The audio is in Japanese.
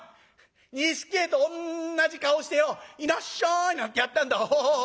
錦絵とおんなじ顔してよ『いらっしゃい』なんてやってんだ。